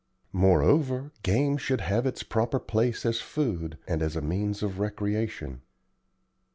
Moreover, game should have its proper place as food, and as a means of recreation.